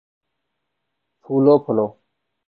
پھولو پھلو